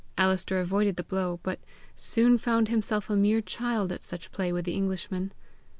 Alister avoided the blow, but soon found himself a mere child at such play with the Englishman.